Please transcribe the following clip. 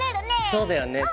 そうだよね。